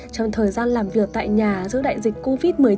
trong thời gian làm việc tại nhà do đại dịch covid một mươi chín